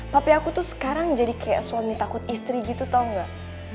papi aku tuh sekarang jadi kayak suami takut istri gitu tahu enggak